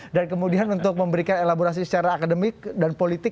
dan kemudian untuk memberikan elaborasi secara akademik dan politik